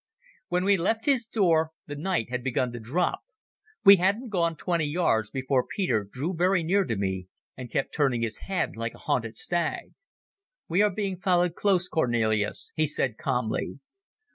When we left his door the night had begun to drop. We hadn't gone twenty yards before Peter drew very near to me and kept turning his head like a hunted stag. "We are being followed close, Cornelis," he said calmly.